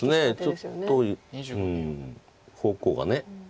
ちょっとうん方向がね。